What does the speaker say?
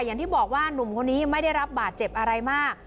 อย่างที่บอกว่าหนุ่มคนนี้ไม่ได้รับบาดเจ็บอะไรมาก